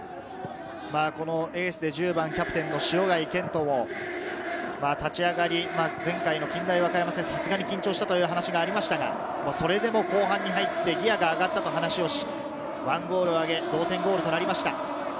エースで１０番、キャプテンの塩貝健人も、立ち上がり、前回の近大和歌山戦、さすがに緊張したというお話がありましたが、それでも後半に入ってギアが上がったと話をし、１ゴールを挙げ、同点ゴールとなりました。